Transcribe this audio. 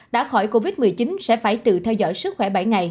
đã khỏi covid một mươi chín sẽ phải tự theo dõi sức khỏe